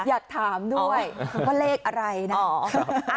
อยากถามด้วยว่าเลขอะไรนะ